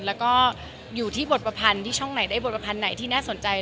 แล้วก็อยู่ที่บทประพันธ์ที่ช่องไหนได้บทประพันธ์ไหนที่น่าสนใจ